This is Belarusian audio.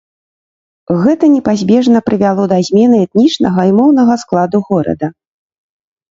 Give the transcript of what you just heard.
Гэта непазбежна прывяло да змены этнічнага і моўнага складу горада.